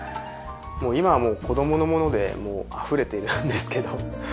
今はもう子供のものであふれているんですけど。